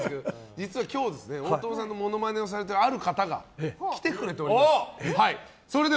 実は今日、大友さんのモノマネをしているある方が来てくれております。